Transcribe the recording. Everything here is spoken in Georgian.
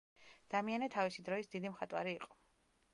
დამიანე თავისი დროის დიდი მხატვარი იყო.